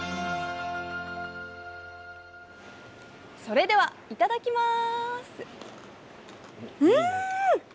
それではいただきます！